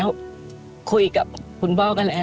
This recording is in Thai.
ลูกขาดแม่